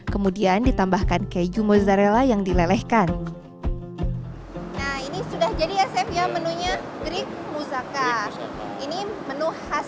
kemudian ditambahkan keju mozzarella yang dilelehkan nah ini sudah jadi ya saya menunya